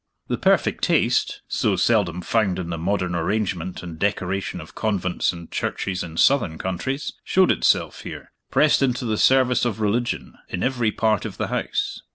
The perfect taste so seldom found in the modern arrangement and decoration of convents and churches in southern countries showed itself here, pressed into the service of religion, in every part of the house.